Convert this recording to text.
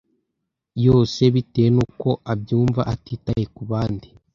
yose bitewe nuko abyumva atitaye kubandi